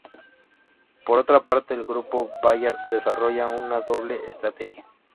Por otra parte el grupo Bayard desarrolla una doble estrategia.